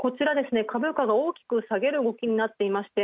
株価が大きく下げる動きになっている。